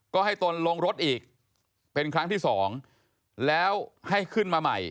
ก็ให้ตนลงรถอีกเป็นครั้งที่สองแล้วให้ขึ้นมาใหม่